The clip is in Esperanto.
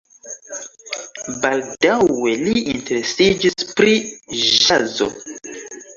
Baldaŭe li interesiĝis pri ĵazo.